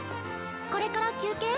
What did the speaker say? これから休憩？